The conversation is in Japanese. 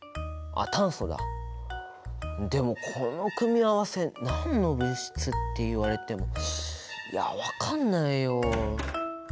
でもこの組み合わせ何の物質っていわれてもいや分かんないよ。